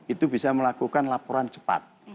itu bisa melakukan laporan cepat